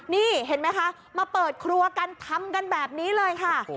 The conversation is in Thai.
นี่เห็นไหมคะมาเปิดครัวกันทำกันแบบนี้เลยค่ะ